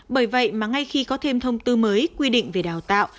bởi vậy mà ngay khi có thêm thông tư mới quy định về đào tạo